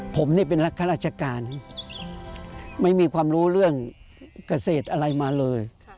ผมนี่เป็นรักข้าราชการไม่มีความรู้เรื่องเกษตรอะไรมาเลย